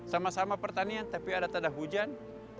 sama sama pertanian tapi ada tanda hujan